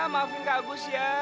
maafin kak gus ya